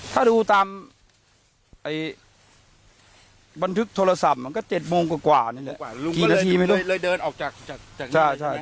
ถ้าดูตามบันทึกโทรศัพท์ก็เจ็ดโมงกว่ากว่านี้แล้ว